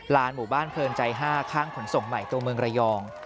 หมู่บ้านเพลินใจ๕ข้างขนส่งใหม่ตัวเมืองระยอง